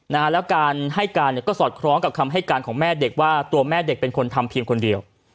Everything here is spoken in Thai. แล้วการให้การเนี่ยก็สอดคล้องกับคำให้การของแม่เด็กว่าตัวแม่เด็กเป็นคนทำเพียงคนเดียว